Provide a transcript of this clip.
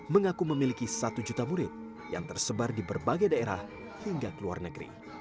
mengaku memiliki satu juta murid yang tersebar di berbagai daerah hingga ke luar negeri